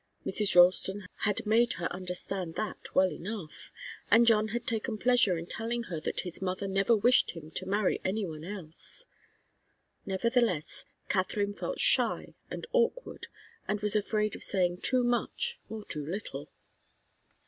Mrs. Ralston had made her understand that well enough, and John had taken pleasure in telling her that his mother never wished him to marry any one else. Nevertheless Katharine felt shy and awkward, and was afraid of saying too much or too little.